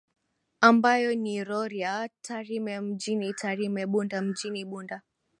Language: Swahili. ambayo ni Rorya Tarime Mjini Tarime Bunda Mjini Bunda